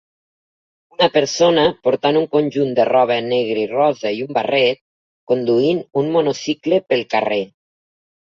Una persona portant un conjunt de roba negre i rosa i un barret conduint un monocicle pel carrer.